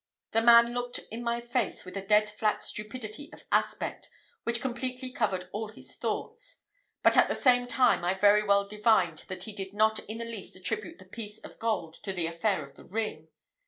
The man looked in my face with a dead flat stupidity of aspect, which completely covered all his thoughts; but at the same time I very well divined that he did not in the least attribute the piece of gold to the affair of the ring.